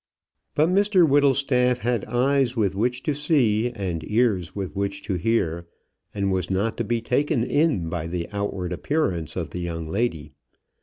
But Mr Whittlestaff had eyes with which to see and ears with which to hear, and was not to be taken in by the outward appearance of the young lady.